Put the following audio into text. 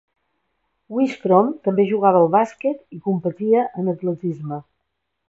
Wistrom també jugava al bàsquet i competia en atletisme.